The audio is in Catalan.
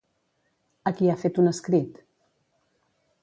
A qui ha fet un escrit?